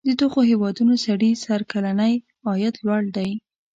د دغو هیوادونو سړي سر کلنی عاید لوړ دی.